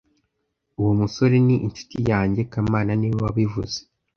Uwo musore ni inshuti yanjye kamana niwe wabivuze